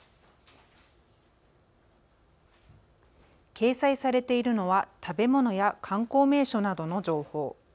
掲載されているのは食べ物や観光名所などの情報。